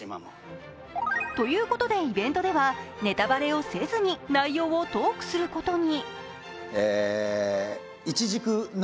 ということで、イベントではネタバレをせずに内容をトークすることに。